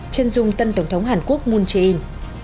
chân dung tân tổng thống hàn quốc moon jae in